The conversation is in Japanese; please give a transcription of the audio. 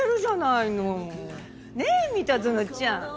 ねえ三田園ちゃん。